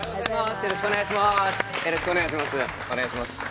よろしくお願いします。